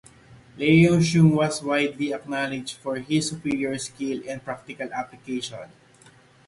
Leung Sheung was widely acknowledged for his superior skill and practical application.